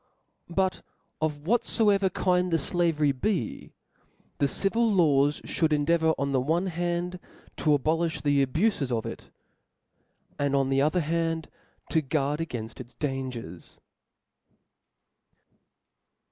p? U T of whatfoever kind the flavery be» the •*^ civil laws (hould endeavour on the one hand to abolifh the abufes of it, and on the other to guard againft its dangers.